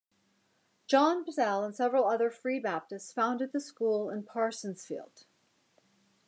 John Buzzell and several other Free Baptists founded the school in Parsonsfield.